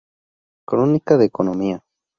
Crónica de economía".